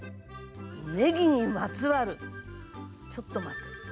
ねぎにまつわる⁉ちょっと待って。